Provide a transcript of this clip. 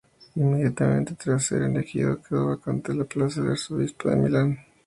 Inmediatamente tras ser elegido quedó vacante la plaza de arzobispo de Milán.